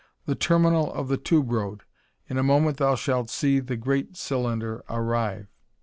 "The terminal of the tube road. In a moment thou shalt see the great cylinder arrive."